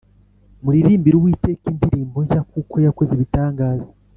Muririmbire uwiteka indirimbo nshya kuko yakoze ibitangaza